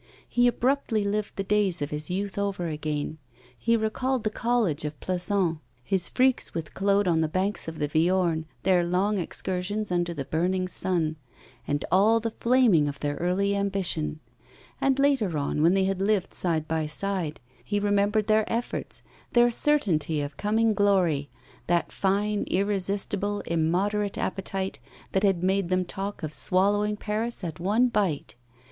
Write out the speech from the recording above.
He abruptly lived the days of his youth over again. He recalled the college of Plassans, his freaks with Claude on the banks of the Viorne, their long excursions under the burning sun, and all the flaming of their early ambition; and, later on, when they had lived side by side, he remembered their efforts, their certainty of coming glory, that fine irresistible, immoderate appetite that had made them talk of swallowing Paris at one bite!